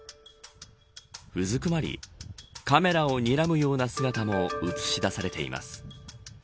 うずくまりカメラをにらむような姿も映し出されています。